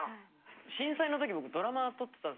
震災の時僕ドラマ撮ってたんです。